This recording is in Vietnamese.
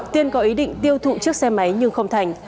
tiên có ý định tiêu thụ chiếc xe máy nhưng không thành